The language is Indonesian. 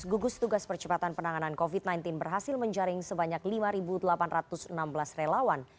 gugus tugas percepatan penanganan covid sembilan belas berhasil menjaring sebanyak lima delapan ratus enam belas relawan